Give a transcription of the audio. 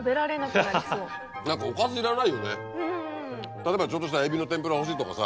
例えばちょっとしたエビの天ぷら欲しいとかさ。